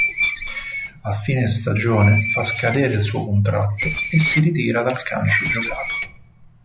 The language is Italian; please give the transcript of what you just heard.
A fine stagione fa scadere il suo contratto e si ritira dal calcio giocato.